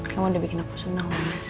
kamu udah bikin aku senang mas